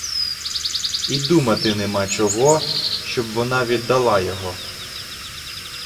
І думати нема чого, щоб вона віддала його!